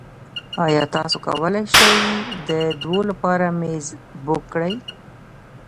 ایا تاسو کولی شئ د دوو لپاره میز بک کړئ؟